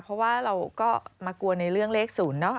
เพราะว่าเราก็มากลัวในเรื่องเลข๐เนอะ